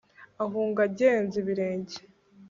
ahunga agenza ibirenge